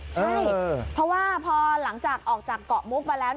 ใช่เพราะว่าพอหลังจากออกจากเกาะมุกมาแล้ว